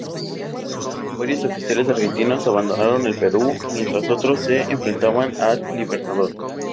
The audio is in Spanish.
Varios oficiales argentinos abandonaron el Perú, mientras otros se enfrentaban al Libertador.